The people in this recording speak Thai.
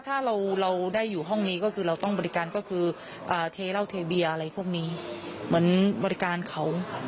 ประมาณอาถิตกว่าค่ะ